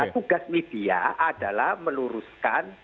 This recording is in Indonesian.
nah tugas media adalah meluruskan